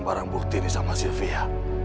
barang bukti ini sama sylvia